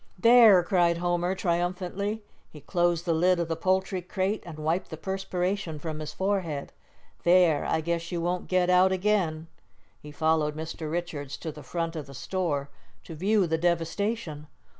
"There!" cried Homer, triumphantly. He closed the lid of the poultry crate, and wiped the perspiration from his forehead. "There! I guess you won't get out again." He followed Mr. Richards to the front of the store to view the devastation.